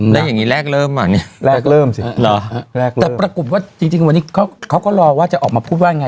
แล้วอย่างนี้แรกเริ่มอ่ะเนี่ยแรกเริ่มสิแรกแต่ปรากฏว่าจริงวันนี้เขาก็รอว่าจะออกมาพูดว่าไง